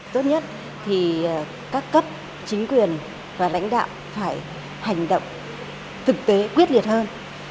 tốt nhất thì các cấp chính quyền và lãnh đạo phải hành động thực tế quyết liệt hơn